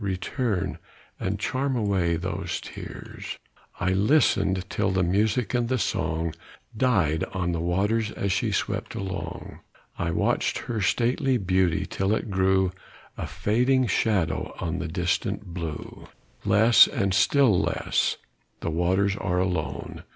return! and charm away their tears. I listen'd till the music and the song Died on the waters as she swept along; I watch'd her stately beauty, till it grew A fading shadow on the distant blue; Less, and still less the waters are alone!